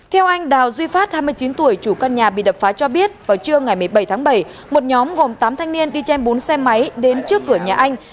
theo anh đào duy phát hai mươi chín tuổi chủ căn nhà bị đập phá cho biết vào trưa ngày một mươi bảy tháng bảy một nhóm gồm tám thanh niên đi trên bốn xe máy đến trước cửa nhà anh